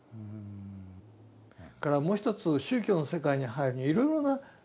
それからもう一つ宗教の世界に入るにはいろいろな道がある。